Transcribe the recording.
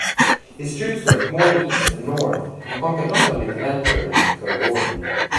His troops went more east and north and conquered not only Deventer and Coevorden.